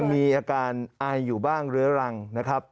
มีอาการไออยู่บ้างเรื้อรังนะครับ